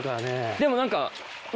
でも何か。